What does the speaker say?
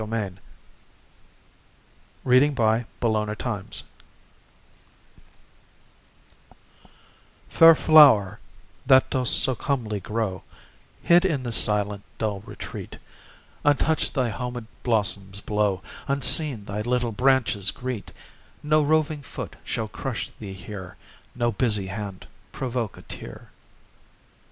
PHILIP FRENEAU THE WILD HONEYSUCKLE Fair flower, that dost so comely grow, Hid in this silent, dull retreat, Untouched thy homed blossoms blow, Unseen thy little branches greet: No roving foot shall crush thee here, No busy hand provoke a tear.